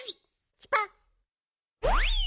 チュパッ。